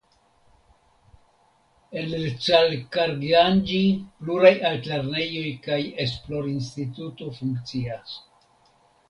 En Icalkaranĝi pluraj altlernejoj kaj kaj esplorinstituto funkcias.